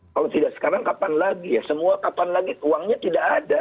kalau tidak sekarang kapan lagi ya semua kapan lagi uangnya tidak ada